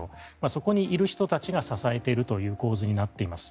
そこにいる人たちが支えているという構図になっています。